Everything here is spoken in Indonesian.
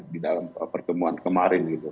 di dalam pertemuan kemarin